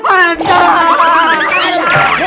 mau ngeget kemana lu